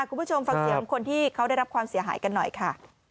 คุณผู้ชมฟังเสียงคนที่เขาได้รับความเสียหายกันหน่อยค่ะ